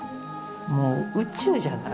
もう宇宙じゃない？